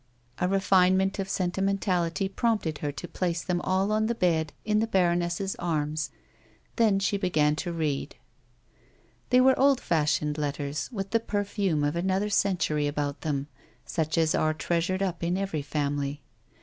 A refinement of sentimentality prompted her to place them all on the bed in the baroness's arms ; then she began to read. They were old fashioned letters with the perfume of another century about them, such as are treasured up in every family.